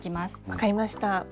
分かりました。